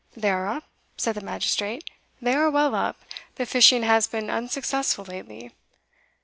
"They are up," said the magistrate, "they are well up the fishing has been unsuccessful lately."